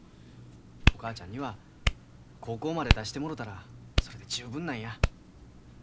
お母ちゃんには高校まで出してもろたらそれで十分なんや。